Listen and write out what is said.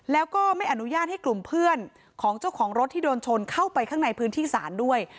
แล้วก็ไม่อนุญาตให้กลุ่มเพื่อนของเจ้าของรถที่โดนชนเข้าไปข้างในพื้นที่ศาลด้วย